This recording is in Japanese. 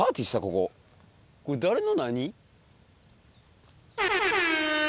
これ誰の何？